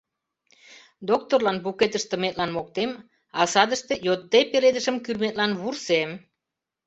Докторлан букет ыштыметлан моктем, а садыште, йодде, пеледышым кӱрметлан вурсем...